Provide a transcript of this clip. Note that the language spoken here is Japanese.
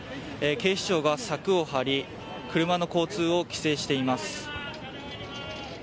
警視庁が柵を張り車の交通を規制しています。